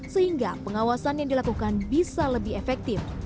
sehingga pengawasan yang dilakukan bisa lebih efektif